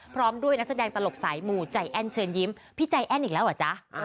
พร้อมด้วยนักแสดงตลกสายหมู่ใจแอ้นเชิญยิ้มพี่ใจแอ้นอีกแล้วเหรอจ๊ะ